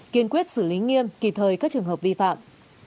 kiên quyết xử lý nghiêm kịp thời các trường hợp vi phạm